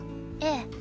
ええ。